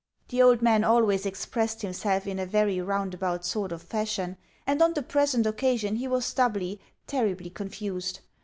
The old man always expressed himself in a very roundabout sort of fashion, and on the present occasion he was doubly, terribly confused.